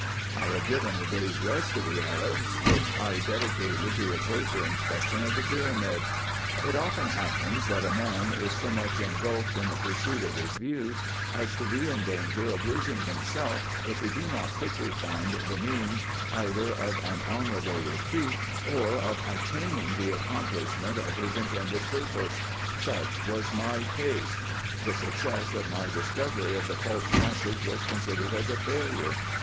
1 had given a day's rest to the Arabs, which 1 dedicated to a closer inspection of the pyramid. It often happens, that a M M 266 RESEARCHES AND OPERATIONS man is so much ingulfed in the pursuit of his views, as to be in danger of losing himself, if he do not quickly find the means either of an honourable retreat, or of attaining the accomplishment of his intended purpose. Such was my case. The success of my discovery of the false passage was considered as a failure.